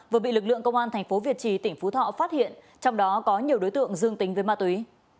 vừa bị lực lượng công an thành phố việt trì tỉnh phú thọ phát hiện trong đó có nhiều đối tượng dương tính với ma túy